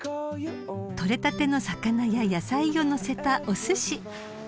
［取れたての魚や野菜を載せたおすし］